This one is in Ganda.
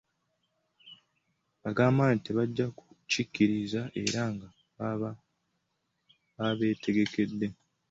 Agamba nti tebajja kukikkiriza era nga babeetegekedde.